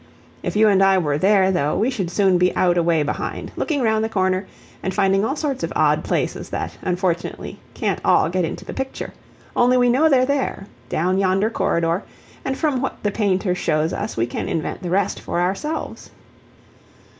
If you and I were there, though, we should soon be out away behind, looking round the corner, and finding all sorts of odd places that unfortunately can't all get into the picture, only we know they're there, down yonder corridor, and from what the painter shows us we can invent the rest for ourselves.